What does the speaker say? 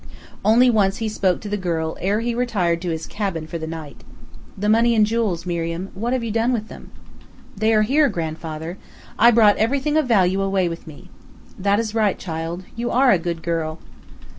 Only once he spoke to the girl ere he retired to his cabin for the night. "The money and jewels, Miriam what have you done with them?" "They are here, grandfather. I brought everything of value away with me." "That is right, child. You are a good girl!"